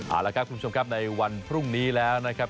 เอาละครับคุณผู้ชมครับในวันพรุ่งนี้แล้วนะครับ